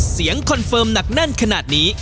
คอนเฟิร์มหนักแน่นขนาดนี้